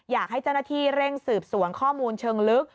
อยากให้เจ้าหน้าที่เร่งสืบสวนข้อมูลเชิงลึก